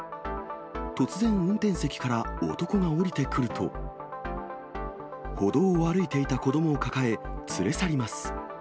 突然、運転席から男が降りてくると、歩道を歩いていた子どもを抱え、連れ去ります。